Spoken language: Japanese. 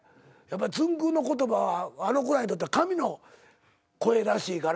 つんく♂の言葉はあの子らにとっては神の声らしいから。